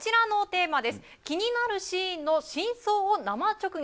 気になるシーンの真相を生直撃。